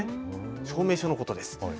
証明書のことです。